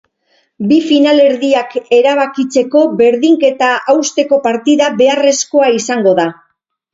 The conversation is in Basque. Bi finalerdiak erabakitzeko berdinketa hausteko partida beharrezkoa izango da.